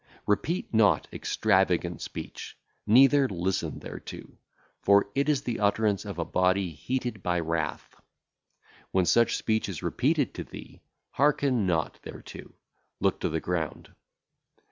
Repeat not extravagant speech, neither listen thereto; for it is the utterance of a body heated by wrath. When such speech is repeated to thee, hearken not thereto, look to the ground.